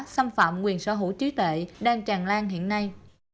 xâm phạm quyền sở hữu trí tệ đang tràn lan hiện nay